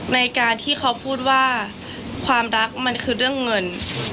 ในการที่เขาพูดว่าความรักมันคือเรื่องเงิน